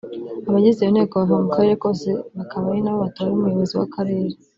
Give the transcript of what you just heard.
Abagize iyo nteko bava mu karere kose bakaba ari na bo batora umuyobozi w’akarere